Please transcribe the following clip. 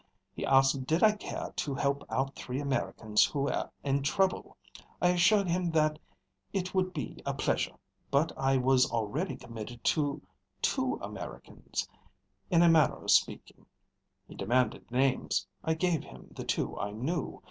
He asked did I care to help out three Americans who were in trouble. I assured him that it would be a pleasure, but I was already committed to two Americans, in a manner of speaking. He demanded names. I gave him the two I knew.